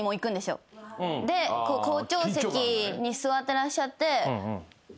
校長席に座ってらっしゃって。